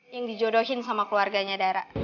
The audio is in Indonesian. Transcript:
yang dijodohin sama keluarganya dara